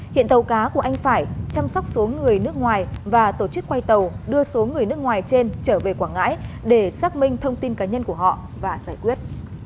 hiện tàu cá của anh phải chăm sóc số người nước ngoài và tổ chức quay tàu đưa số người nước ngoài trên trở về quảng ngãi để xác minh thông tin cá nhân của họ và giải quyết